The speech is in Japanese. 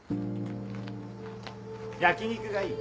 焼き肉がいい。